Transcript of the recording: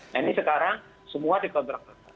nah ini sekarang semua dikontrok